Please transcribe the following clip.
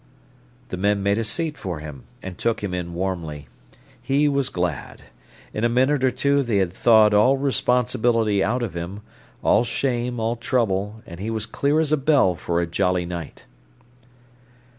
The men made a seat for him, and took him in warmly. He was glad. In a minute or two they had thawed all responsibility out of him, all shame, all trouble, and he was clear as a bell for a jolly night.